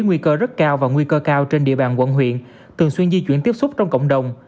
nguy cơ rất cao và nguy cơ cao trên địa bàn quận huyện thường xuyên di chuyển tiếp xúc trong cộng đồng